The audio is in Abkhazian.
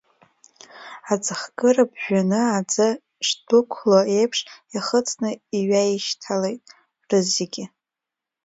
Аӡыхкыра ԥжәаны аӡы шдәықәло еиԥш, ихыҵны иҩаишьҭалеит рызегьы.